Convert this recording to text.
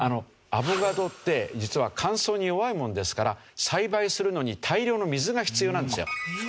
アボカドって実は乾燥に弱いものですから栽培するのに大量の水が必要なんですよ。